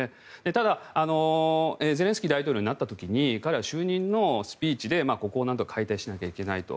ただ、ゼレンスキー大統領になった時に彼は就任のスピーチでここをなんとか解体しなきゃいけないと。